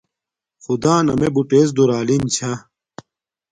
خدݳن امݺ بُٹݵڎ دُرݳلِن چھݳ.